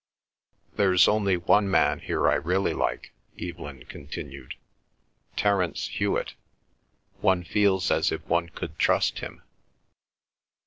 "There's only one man here I really like," Evelyn continued; "Terence Hewet. One feels as if one could trust him."